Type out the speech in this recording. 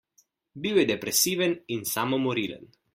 Bil je depresiven in samomorilen.